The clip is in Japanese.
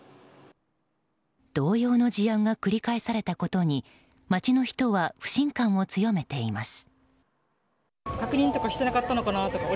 同様の事案が繰り返されたことに街の人は不信感を強めています。